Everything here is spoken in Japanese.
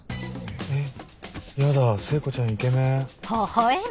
えっやだ聖子ちゃんイケメン。